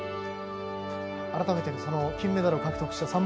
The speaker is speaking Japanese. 改めて、金メダルを獲得した